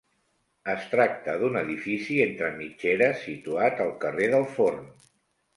Es tracta d'un edifici entre mitgeres situat al carrer del Forn.